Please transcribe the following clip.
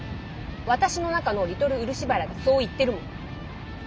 私の中のリトル漆原がそう言ってるもん。